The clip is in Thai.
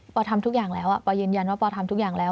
ทำทุกอย่างแล้วปอยืนยันว่าปอทำทุกอย่างแล้ว